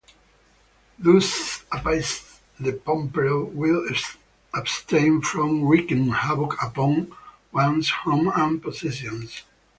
Thus appeased, the Pombero will abstain from wreaking havoc upon one's home and possessions.